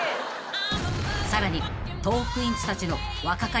［さらにトークィーンズたちの］